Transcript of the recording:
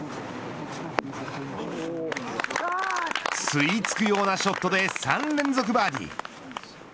吸いつくようなショットで３連続バーディー。